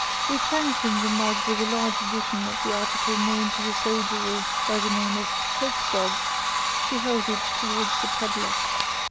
Replenishing the mug with a large addition of the article known to the soldiery by the name of "choke dog," she held it towards the peddler.